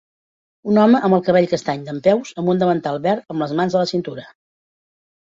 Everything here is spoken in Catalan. Un home amb el cabell castany dempeus amb un davantal verd amb les mans a la cintura.